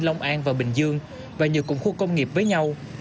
long an và bình dương và nhiều cụm khu công nghiệp với nhau